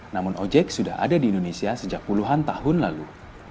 namun ojek sudah ada di indonesia sejak puluhan tahun lalu